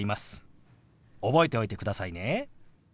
覚えておいてくださいね。